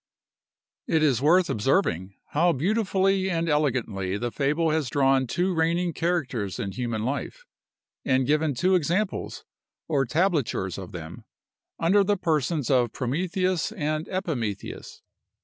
It is worth observing, how beautifully and elegantly the fable has drawn two reigning characters in human life, and given two examples, or tablatures of them, under the persons of Prometheus and Epimetheus.